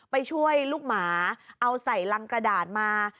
ไปช่วยลูกหมาเอาใส่รังกระดาษมา